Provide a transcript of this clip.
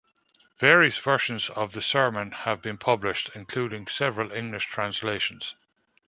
Various versions of the sermon have been published, including several English translations.